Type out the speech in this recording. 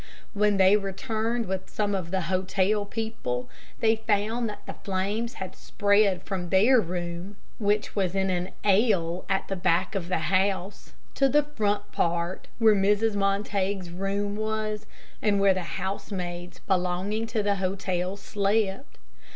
When they returned with some of the hotel people, they found that the flames had spread from their room, which was in an "L" at the back of the house, to the front part, where Mrs. Montague's room was, and where the housemaids belonging to the hotel slept.